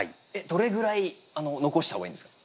どれぐらい残した方がいいんですか？